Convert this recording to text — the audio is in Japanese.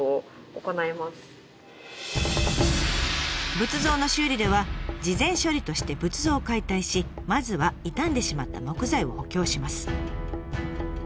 仏像の修理では事前処理として仏像を解体しまずは傷んでしまった木材を補強します。